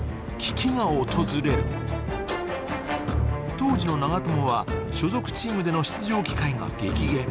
当時の長友は所属チームでの出場機会が激減。